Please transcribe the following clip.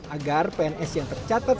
agar pns yang tercatat